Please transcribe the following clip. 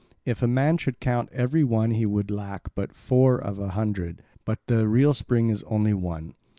If a man should count every one he would lack but four of a hundred, but the real spring is only one.